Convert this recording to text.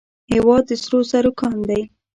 هیواد د سرو زرو کان دی